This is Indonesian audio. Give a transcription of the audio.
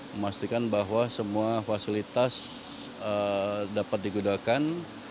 memastikan bahwa semua fasilitas dapat digunakan